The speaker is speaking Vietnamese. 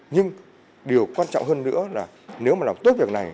nhưng điều quan trọng hơn nữa là nếu mà làm tốt việc này